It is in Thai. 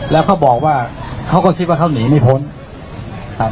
แล้วเขาบอกว่าเขาก็คิดว่าเขาหนีไม่พ้นครับ